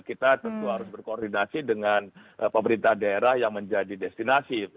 kita tentu harus berkoordinasi dengan pemerintah daerah yang menjadi destinasi